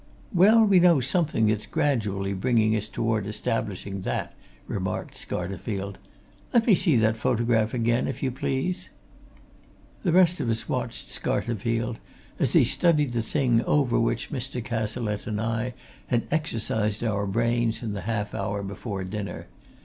"Well, we know something that's gradually bringing us toward establishing that," remarked Scarterfield. "Let me see that photograph again, if you please." The rest of us watched Scarterfield as he studied the thing over which Mr. Cazalette and I had exercised our brains in the half hour before dinner.